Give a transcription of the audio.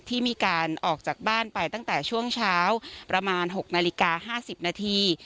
ที่มีการออกจากบ้านไปตั้งแต่ช่วงเช้าประมาณ๖นาฬิกา๕๐นาที